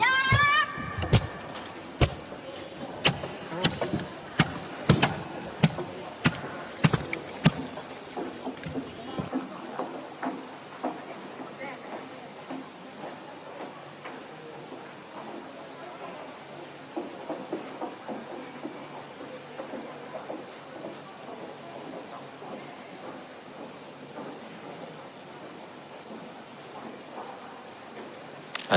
อ่า